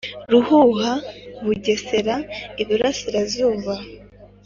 Ruhuha Bugesera Iburasirazuba